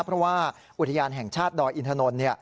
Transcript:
เพราะว่าอุทยานแห่งชาติดอยอินทนนท์